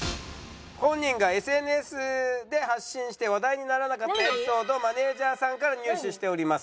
本人がＳＮＳで発信して話題にならなかったエピソードをマネージャーさんから入手しております。